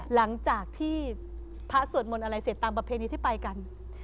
หลังจากที่พระสวดมนต์อะไรเสร็จตามประเพณีที่ไปกัน